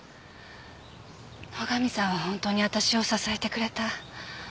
野上さんはホントに私を支えてくれた。